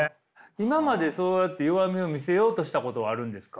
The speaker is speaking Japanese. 今までそうやって弱みを見せようとしたことはあるんですか？